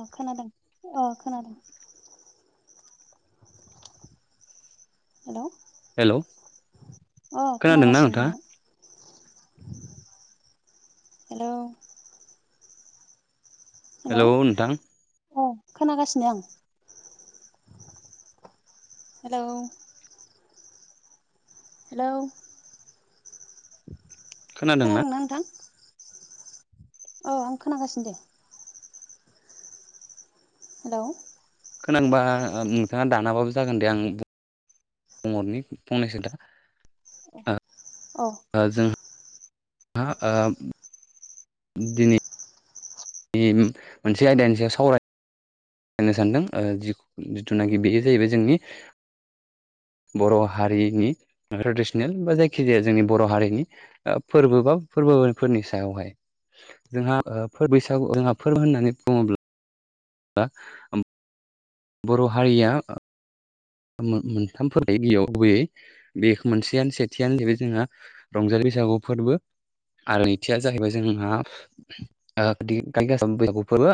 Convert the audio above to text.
अ खोनादों अ खोनादों हेल' हेल' खोनादोंना नोंथाङा हेल' हेल' नोंथां अ खोनागासिनो आं हेल' हेलौ [unintelligible] खोनादोंना नोंथां औ आं खोनागासिनो दे हेलौ खोनांबा नोंथाङा दानाबाबो जागोन दे आं बुंहरनि फंनैसो दा अ जोंहा हा ओ दिनै मोनसे आयदानि सायाव सावराय नो सानदों जिथुनाखि बेयो जाहैबाय जोंनि बर' हारिनि ट्रेडिसनेल बा जायखिजाया जोंनि बर' हारिनि फोरबो बा फोर- फोरबो फोरनि सायावहाय जोंहा फोरबो बैसागु जोंहा फोरबो होननानै बुङोब्ला दा उम बर' हारिया मो मोनथाम फोर गिबियाव गुबैयै बे मोनसेयनो सेथियानो जाहैबाय जोंहा रंजालि बैसागु फोरबो आरो नैथिया जाहैबाय जोंहा [inaudible] बैसागु फोरबो